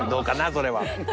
それは。